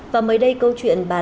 và mới đây câu chuyện bán